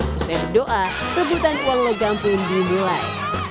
setelah berdoa rebutan uang logam pun dimulai